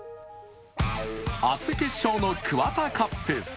明日決勝のＫＵＷＡＴＡＣＵＰ。